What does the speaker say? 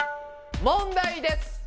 問題です！